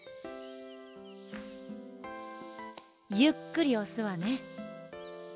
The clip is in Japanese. ゆっくりおすわね。